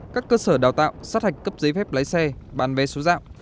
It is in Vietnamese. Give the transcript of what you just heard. các cơ sở đào tạo sát hạch cấp giấy phép lái xe bàn vé số dạo